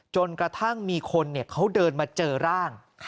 จนกระทั่งมีคนเขาเดินมาเจอร่าง